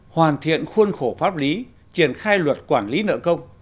hoàn thiện khuôn khổ pháp lý triển khai luật quản lý nợ công